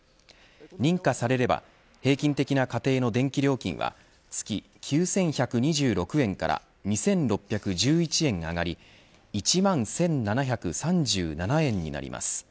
認可されれば平均的な家庭の電気料金は月９１２６円から２６１１円上がり１万１７３７円になります。